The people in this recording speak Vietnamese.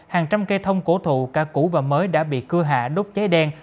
hàng trăm cây thông cổ thụ ca cũ và mới đã bị cưa hạ đốt cháy đen